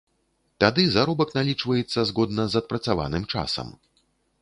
Тады заробак налічваецца згодна з адпрацаваным часам.